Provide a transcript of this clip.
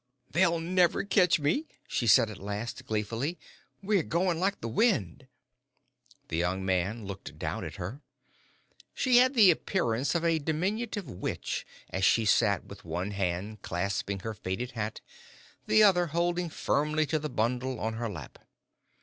"They'll never ketch me," she said at last, gleefully; "we're goin' like the wind." The young man looked down at her. She had the appearance of a diminutive witch as she sat with one hand clasping her faded hat, the other holding firmly to the bundle on her lap.